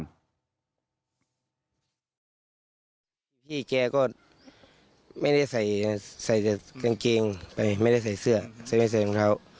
พี่แกก็ไม่ได้ใส่แต่กางเกงไปไม่ได้ใส่เสื้อไม่ได้ใส่รองเท้า